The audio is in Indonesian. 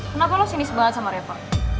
kenapa lo sinis banget sama reva